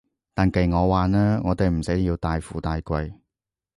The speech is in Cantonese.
但計我話呢，我哋唔使要大富大貴